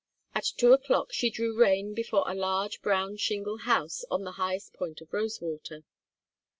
At two o'clock she drew rein before a large brown shingle house on the highest point of Rosewater.